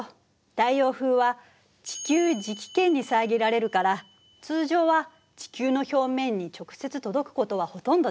太陽風は地球磁気圏に遮られるから通常は地球の表面に直接届くことはほとんどないの。